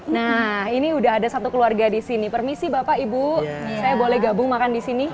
nah ini udah ada satu keluarga di sini permisi bapak ibu saya boleh gabung makan di sini